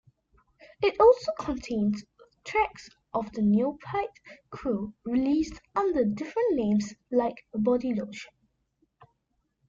It also contains tracks of the Neophyte crew released under different names like "Bodylotion".